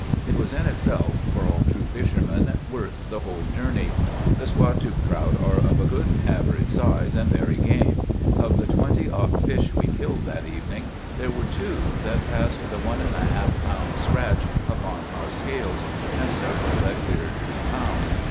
It was in itself, for all true fishermen, worth the whole journey. The Squatook trout are of a good average size, and very game. Of the twenty odd fish we killed that evening, there were two that passed the one and one half pound scratch upon our scales, and several that cleared the pound.